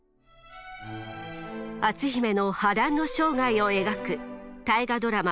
篤姫の波乱の生涯を描く「大河ドラマ」